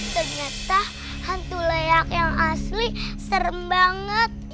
ternyata hantu leak yang asli serem banget